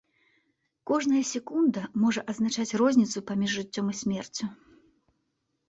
Кожная секунда можа азначаць розніцу паміж жыццём і смерцю.